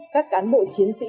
các cán bộ chiến sĩ